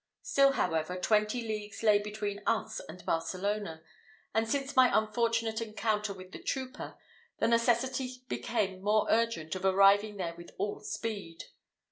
Still, however, twenty leagues lay between us and Barcelona, and since my unfortunate encounter with the trooper, the necessity became more urgent of arriving there with all speed.